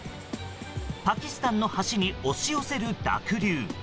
パキスタンの橋に押し寄せる濁流。